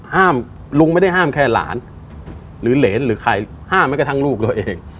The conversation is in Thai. ลุงไม่ได้ห้ามแค่หลานหรือเหรนหรือใครห้ามแม้กระทั่งลูกเราเอง